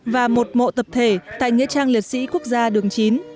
và một mộ tập thể tại nghĩa trang liệt sĩ quốc gia đường chín